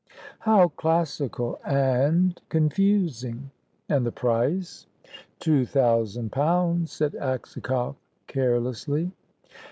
"How classical and confusing! And the price?" "Two thousand pounds," said Aksakoff, carelessly.